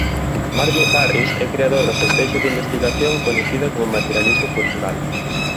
Marvin Harris é creador da estratexia de investigación coñecida como materialismo cultural.